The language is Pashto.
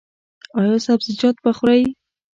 ایا سبزیجات به خورئ؟